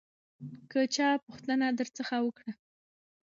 که چا پوښتنه درڅخه وکړه